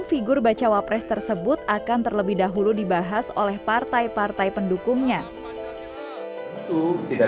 figur bacawa pres tersebut akan terlebih dahulu dibahas oleh partai partai pendukungnya itu tidak